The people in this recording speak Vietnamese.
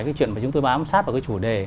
cái chuyện mà chúng tôi bám sát vào cái chủ đề